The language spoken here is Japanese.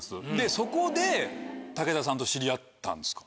そこで武田さんと知り合ったんですか？